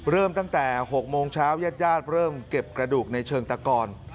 เริ่มตั้งแต่๖โมงเช้าญาติเริ่มเก็บกระดูกในเชิงตะกอน